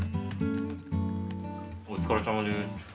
お疲れさまです。